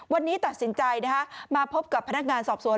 วันนี้ตัดสินใจมาพบกับพนักงานสอบสวน